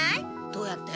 どうやって？